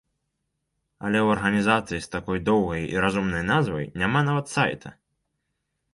Але ў арганізацыі з такой доўгай і разумнай назвай няма нават сайта!